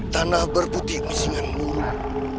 tanah berputih dengan murung